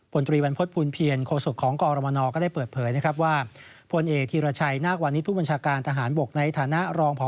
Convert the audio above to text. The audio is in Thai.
บนตรีบันพฤษภูมิเพียนโฆษกของกอมนก็ได้เปิดเผยนะครับว่า